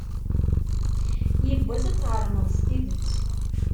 Yiwwas ad tεelmeḍ s tidet.